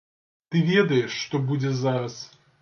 Ты ведаеш, што будзе зараз.